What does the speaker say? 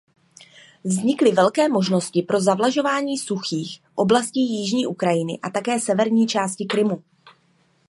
Vznikly velké možnosti pro zavlažování suchých oblastí jižní Ukrajiny a také severní části Krymu.